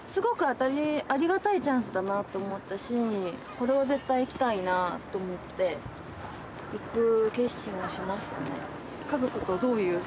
これは絶対、行きたいなと思って行く決心をしましたね。